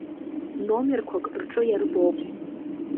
Номерқәак рҿы иарбоуп.